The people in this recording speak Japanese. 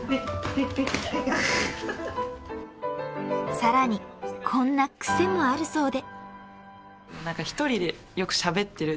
［さらにこんな癖もあるそうで］